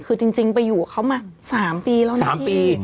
คือจริงไปอยู่กับเขามา๓ปีแล้วนะพี่